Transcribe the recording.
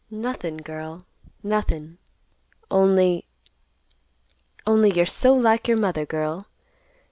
"Nothin', girl, nothin'. Only—only you're so like your mother, girl.